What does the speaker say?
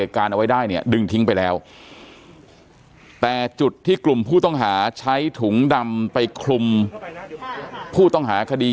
จริงจริงจริงจริงจริงจริงจริงจริง